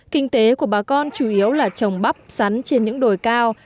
kinh tế của bà con chủ yếu là trồng bắp sắn trên những đồi cao